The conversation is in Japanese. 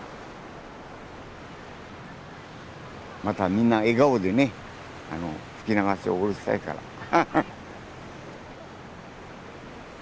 またみんな笑顔でねあの吹き流しを降ろしたいから。